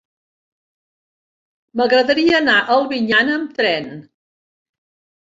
M'agradaria anar a Albinyana amb tren.